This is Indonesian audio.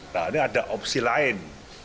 nah ini ada opsi lain